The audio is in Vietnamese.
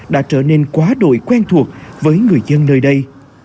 đã trở nên quá đổi quen thuộc với người dân nơi đây